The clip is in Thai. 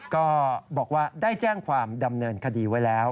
ก็บอกว่าได้แจ้งความดำเนินคดีไว้แล้ว